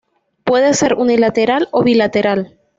Puede ser unilateral o bilateral.